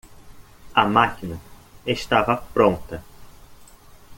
A máquina estava pronta